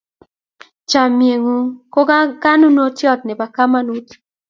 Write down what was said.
Chamyengung ko kanunotyot ne bo kamanut